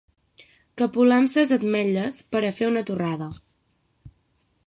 Capolam ses ametlles per a fer una tortada